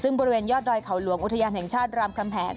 ซึ่งบริเวณยอดดอยเขาหลวงอุทยานแห่งชาติรามคำแหง